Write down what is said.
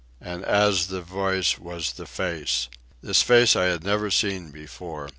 And as the voice was the face. This face I had never seen before.